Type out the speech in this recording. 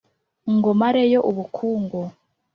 Ngo mare yo ubukungu